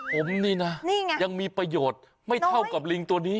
ผมนี่นะยังมีประโยชน์ไม่เท่ากับลิงตัวนี้